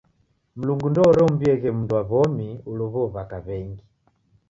Mlungu ndooreumbieghe mndu wa w'omi ulow'uo w'aka w'engi.